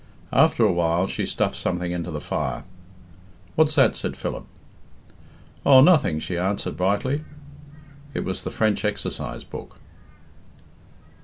After a while, she stuffed something into the fire. "What's that?" said Philip. "Oh, nothing," she answered brightly. It was the French exercise book.